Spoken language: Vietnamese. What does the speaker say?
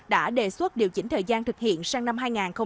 đã đề xuất điều chỉnh thời gian thực hiện sang năm hai nghìn hai mươi